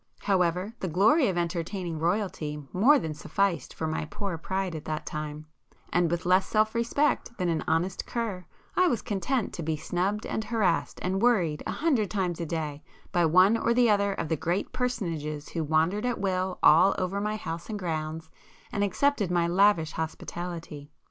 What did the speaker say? However the glory of entertaining Royalty more than sufficed for my poor pride at that time, and with less self respect than an honest cur, I was content to be snubbed and harassed and worried a hundred times a day by one or the other of the 'great' personages who wandered at will all over my house and grounds, and accepted my lavish hospitality.